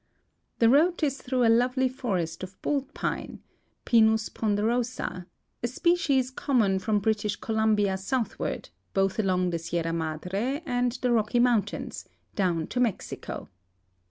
The road is through a lovely forest of bull pine {Pinus ponderosa), a PETRIFIED LOGS, ARIZONA species common from British Columbia soutiiward, botii along the Sierra Madre and the Rocky mountains, down to Mexico.